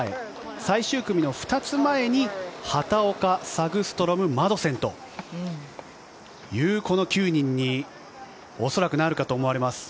最終組の２つ前に畑岡、サグストロムマドセンという９人に恐らくなるかと思います。